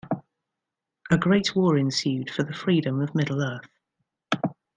A great war ensued for the freedom of Middle-earth.